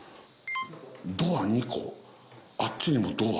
ドア２個あっちにもドア。